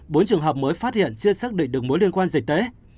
bốn trường hợp mới phát hiện chưa xác định được mối liên quan dịch tễ